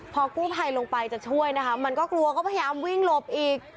พอกู้ภัยลงไปจะช่วยนะคะมันก็กลัวก็พยายามวิ่งหลบอีก